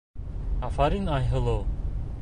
Афарин, Айһылыу!